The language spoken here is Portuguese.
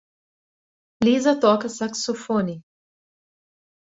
Liza toca saxofone.